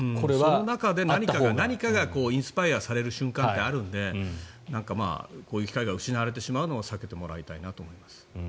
その中で何かがインスパイアされる瞬間ってあるのでこういう機会が失われるのを避けてもらいたいなと思います。